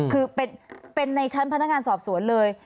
คือเป็นในชั้นพนักงานสอบสวนเลย